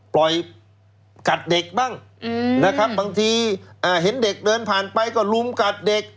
ปล่อยกัดเด็กบ้างนะครับบางทีเห็นเด็กเดินผ่านไปก็ลุมกัดเด็ก